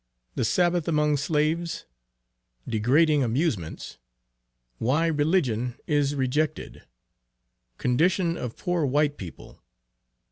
The Sabbath among Slaves. Degrading amusements. Why religion is rejected. Condition of poor white people.